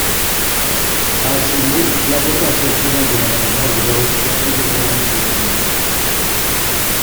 A ces mots, l'avocat se souvint de madame Cardoche et de ses inquiétudes.